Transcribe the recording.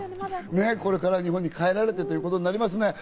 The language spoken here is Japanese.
これから日本に帰られてということになりますね。